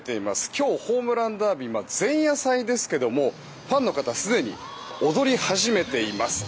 今日、ホームランダービー前夜祭ですけれどもファンの方はすでに踊り始めています。